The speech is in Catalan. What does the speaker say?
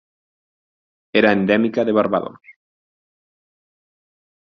Era endèmica de Barbados.